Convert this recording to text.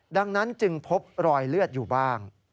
ดังนั้นจึงพบรอยเลือดอยู่บ้าง